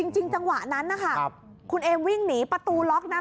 จริงจังหวะนั้นคุณเอมวิ่งหนีประตูล็อกนั้น